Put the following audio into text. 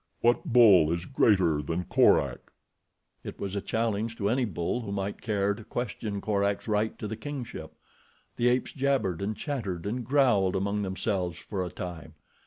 What bull is greater than Korak?" It was a challenge to any bull who might care to question Korak's right to the kingship. The apes jabbered and chattered and growled among themselves for a time.